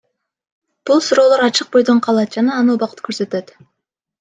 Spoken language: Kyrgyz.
Бул суроолор ачык бойдон калат жана аны убакыт көрсөтөт.